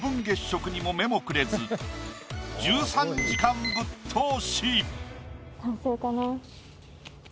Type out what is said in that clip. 月食にも目もくれず１３時間ぶっ通し。